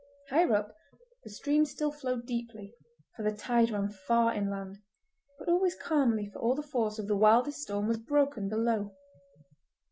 Higher up, the stream still flowed deeply, for the tide ran far inland, but always calmly for all the force of the wildest storm was broken below.